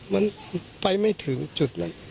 มันไปไม่ถึงจุดนั้น